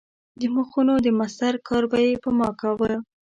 د مخونو د مسطر کار به یې په ما کاوه.